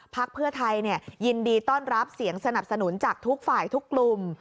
เพื่อไทยยินดีต้อนรับเสียงสนับสนุนจากทุกฝ่ายทุกกลุ่ม